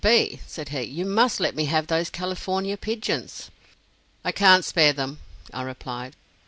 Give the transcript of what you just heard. B," said he, "you must let me have those California pigeons." "I can't spare them," I replied.